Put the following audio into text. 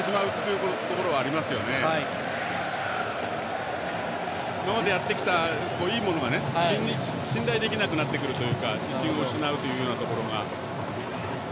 今までやってきた、いいものが信頼できなくなってくるというか自信を失うというようなところが。